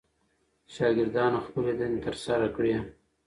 شاګردانو خپلې دندې ترسره کړې.